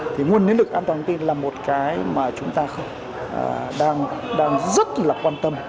thì nguồn nhân lực an toàn thông tin là một cái mà chúng ta đang rất là quan tâm